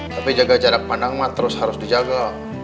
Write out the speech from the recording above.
tapi jaga jarak pandang mah terus harus dijaga